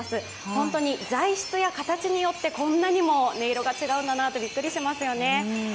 本当に材質や形によってこんなにも音色が違うんだなとびっくりしますよね。